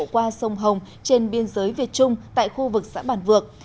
qua sông hồng trên biên giới việt trung tại khu vực xã bản vược